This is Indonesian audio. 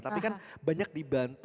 tapi kan banyak dibantu